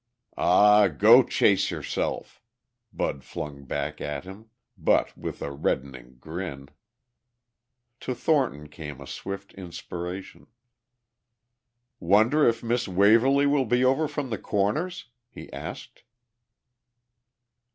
"Aw, go chase yourself," Bud flung back at him, but with a reddening grin. To Thornton came a swift inspiration. "Wonder if Miss Waverly will be over from the Corners?" he asked.